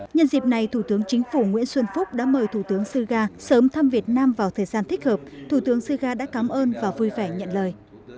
nhân dịp này thủ tướng chính phủ nguyễn xuân phúc đã mời thủ tướng suga sớm thăm việt nam vào thời gian thích hợp thủ tướng suga đã cảm ơn và vui vẻ nhận lời